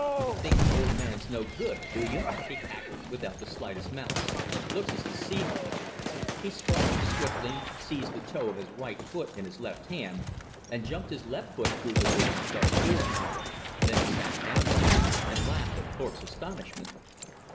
"You think th' old man's no good, do you?" he cackled, without the slightest malice, "looks is deceivin'!" He sprang up swiftly, seized the toe of his right foot in his left hand, and jumped his left foot through the loop thus formed. Then he sat down again, and laughed at Thorpe's astonishment.